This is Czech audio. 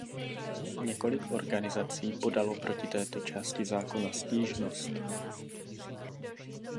Několik organizací podalo proti této části zákona stížnost.